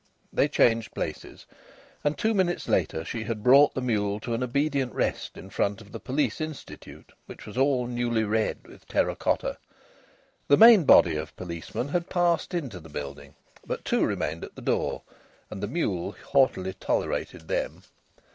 They changed places, and two minutes later she brought the mule to an obedient rest in front of the Police Institute, which was all newly red with terra cotta. The main body of policemen had passed into the building, but two remained at the door, and the mule haughtily tolerated them.